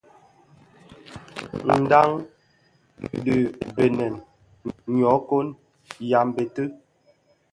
Ndhañ di Benèn, nyokon, yambette.